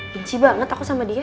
benci banget aku sama dia